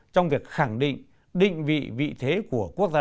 trong việc khẳng định định vị vị thế của quốc gia